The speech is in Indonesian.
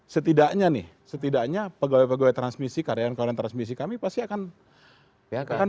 setidaknya nih setidaknya pegawai pegawai transmisi karyawan karyawan transmisi kami pasti akan